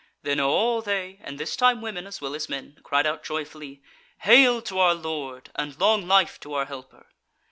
Then all they (and this time women as well as men) cried out joyfully: "Hail to our lord! and long life to our helper."